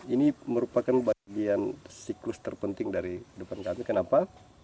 ini merupakan bagian siklus terpenting dari depan kami kenapa